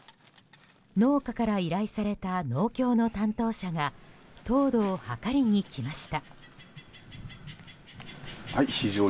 農家から依頼された農協の担当者が糖度を測りに来ました。